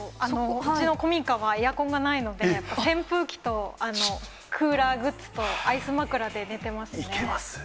うちの古民家はエアコンがないんで、扇風機とクーラーグッズと、いけます？